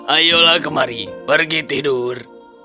ayolah kemari pergi tidur